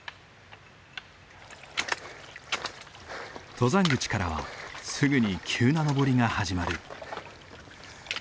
登山口からはすぐに急な登りが始まる。